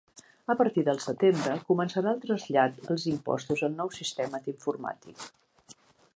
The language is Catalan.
A partir del setembre començarà el trasllat els impostos al nou sistema informàtic.